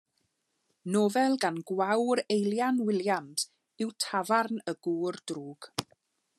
Nofel gan Gwawr Eilian Williams yw Tafarn y Gŵr Drwg.